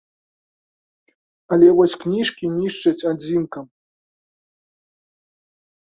Але вось кніжкі нішчаць адзінкам.